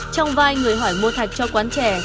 trong vai người hỏi mua thạch cho quán trẻ